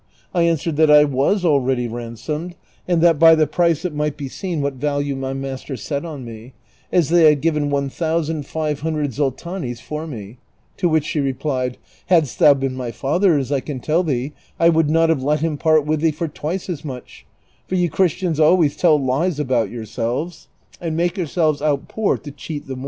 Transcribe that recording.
I answered that I was already ransomed, and that by the price it might be seen what value my master set on me, as they had given one thousand five hundred zoltanis' for me; to which siie replied, " Hadst thou been my father's, I can tell thee, I would not have let him pai't with thee for twice as much, for you Christians always tell lies about yourselves and make yourselves out poor to cheat the Moors."